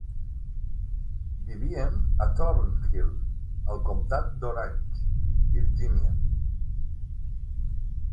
Vivien a Thornhill al comtat d'Orange (Virgínia).